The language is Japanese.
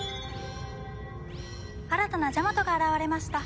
新たなジャマトが現れました。